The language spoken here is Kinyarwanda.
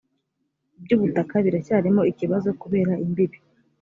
ibyubutaka biracyarimo ikibazo kubera imbibi